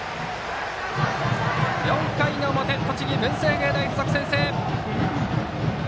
４回の表栃木・文星芸大付属が先制。